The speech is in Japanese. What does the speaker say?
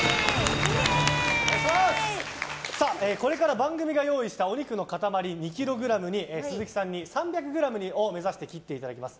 これから番組が用意したお肉の塊２ｋｇに鈴木さんに３００ｇを目指して切っていただきます。